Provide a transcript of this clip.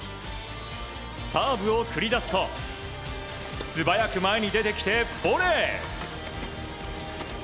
サーブを繰り出すと素早く前に出てきてボレー。